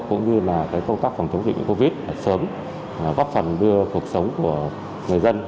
cũng như là công tác phòng chống dịch covid sớm góp phần đưa cuộc sống của người dân